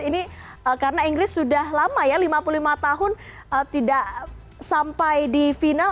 ini karena inggris sudah lama ya lima puluh lima tahun tidak sampai di final